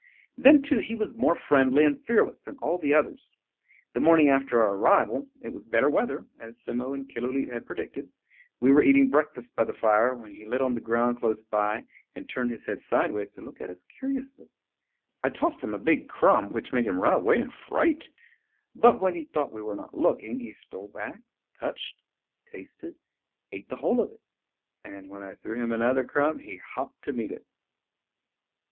Then, too, he was more friendly and fearless than all the others. The morning after our arrival (it was better weather, as Simmo and Killooleet had predicted) we were eating breakfast by the fire, when he lit on the ground close by, and turned his head sidewise to look at us curiously. I tossed him a big crumb, which made him run away in fright; but when he thought we were not looking he stole back, touched, tasted, ate the whole of it. And when I threw him another crumb, he hopped to meet it.